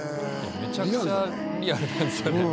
めちゃくちゃリアルですね。